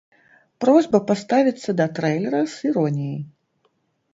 Просьба паставіцца да трэйлера з іроніяй.